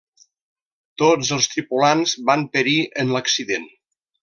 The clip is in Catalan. Tots els tripulants van perir en l'accident.